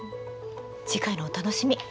次回のお楽しみ。